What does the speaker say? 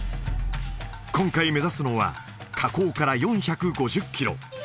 今回目指すのは河口から４５０キロ